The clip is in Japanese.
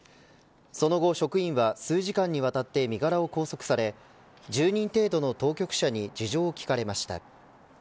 その後職員は、数時間にわたって身柄を拘束され１０人程度の当局者に事情を聞かれました。